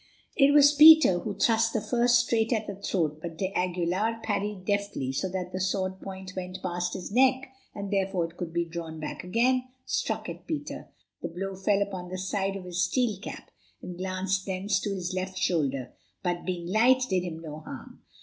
It was Peter who thrust the first, straight at the throat, but d'Aguilar parried deftly, so that the sword point went past his neck, and before it could be drawn back again, struck at Peter. The blow fell upon the side of his steel cap, and glanced thence to his left shoulder, but, being light, did him no harm.